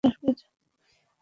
ভালো তাস খেলতাম।